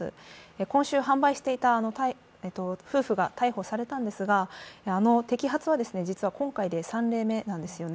今週販売していた夫婦が逮捕されたんですが、あの摘発は実は今回で３例目なんですよね。